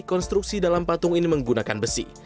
konstruksi dalam patung ini menggunakan besi